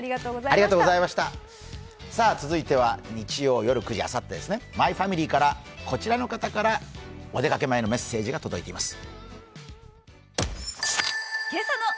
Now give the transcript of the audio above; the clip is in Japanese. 続いては日曜夜９時「マイファミリー」からお出かけ前のメッセージが届いています。